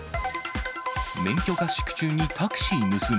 免許合宿中にタクシー盗む？